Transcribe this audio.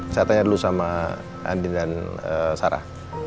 saya tanya dulu sama andin dan sarah